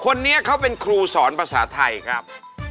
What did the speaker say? คนนี้เขาเป็นครูสอนภาษาไทยครับ